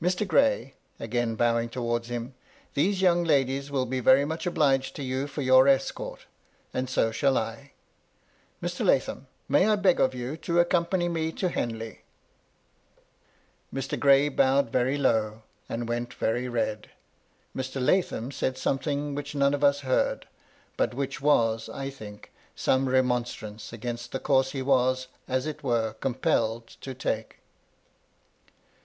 Mr. Gray," (again bowing towards him) " these young ladies will be very much obliged to you for your escort, and so shall I. Mr. Lathom, may I beg of you to accompany me to Henley ?" Mr. Gray bowed very low, and went very red ; Mr. Lathom said something which we none of us heard, but which was, I think, some remonstrance against the course he was, as it were, compelled to take.